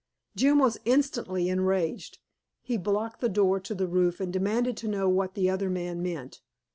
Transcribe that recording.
Jim was instantly enraged; he blocked the door to the roof and demanded to know what the other man meant.